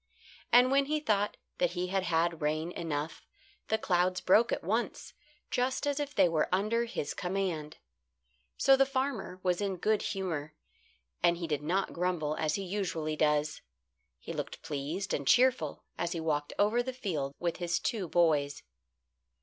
And when he thought that he had had rain enough, the clouds broke at once, just as if they were under his command. So the farmer was in good humour, and he did not grumble as he usually does. He looked pleased and cheerful as he walked over the field with his two boys.